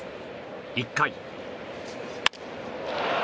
１回。